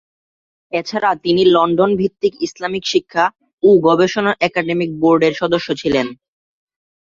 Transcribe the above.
এছাড়া তিনি লন্ডন ভিত্তিক ইসলামিক শিক্ষা ও গবেষণা একাডেমী বোর্ড-এর সদস্য ছিলেন।